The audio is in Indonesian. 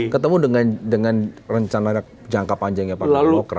ketemu dengan rencana jangka panjangnya pak pemokra